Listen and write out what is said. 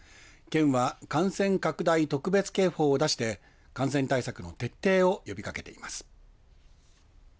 県は、感染拡大特別警報を出して感染対策の徹底を呼びかけています。